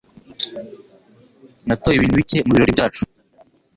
Natoye ibintu bike mubirori byacu.